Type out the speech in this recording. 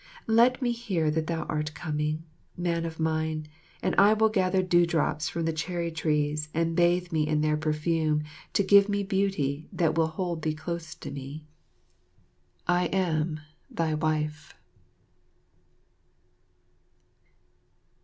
Let me hear that thou art coming, man of mine, and I will gather dewdrops from the cherry trees and bathe me in their perfume to give me beauty that will hold thee close to me. I am, Thy Wife.